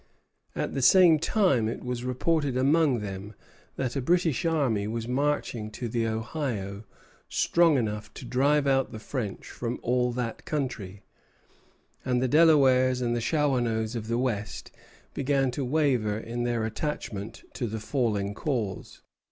At the same time it was reported among them that a British army was marching to the Ohio strong enough to drive out the French from all that country; and the Delawares and Shawanoes of the West began to waver in their attachment to the falling cause.